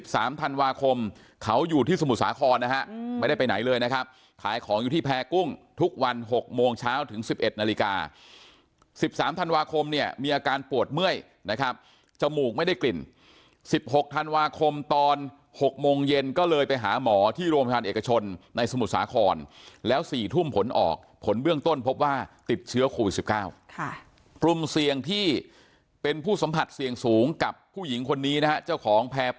สมุทรสาครนะฮะไม่ได้ไปไหนเลยนะครับขายของอยู่ที่แพร่กุ้งทุกวัน๖โมงเช้าถึง๑๑นาฬิกา๑๓ธันวาคมเนี่ยมีอาการปวดเมื่อยนะครับจมูกไม่ได้กลิ่น๑๖ธันวาคมตอน๖โมงเย็นก็เลยไปหาหมอที่โรงพยาบาลเอกชนในสมุทรสาครแล้ว๔ทุ่มผลออกผลเบื้องต้นพบว่าติดเชื้อโควิด๑๙ปรุ่มเสี่ยงที่เป็